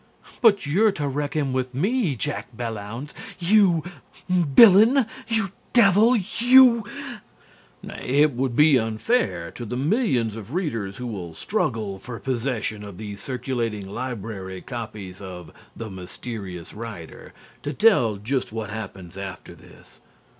BUT YOU'RE TO RECKON WITH ME, JACK BELLLOUNDS! YOU VILLAIN! YOU DEVIL! YOU" It would be unfair to the millions of readers who will struggle for possession of the circulating library copies of "The Mysterious Rider" to tell just what happens after this.